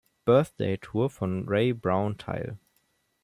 Birthday“ Tour von Ray Brown teil.